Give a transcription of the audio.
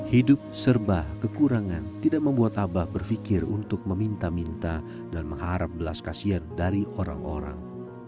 hidup serba kekurangan tidak membuat abah berfikir untuk meminta minta dan mengharap belas kasihan dari orang orang